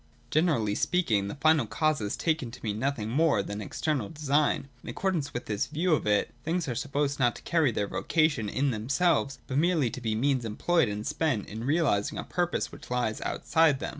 Generally speaking, the final cause is taken to mean nothing more than external design. In accordance with this view of it, things are supposed not to carry their vocation in themselves, but merely to be means employed and spent in realising a purpose which lies outside of them.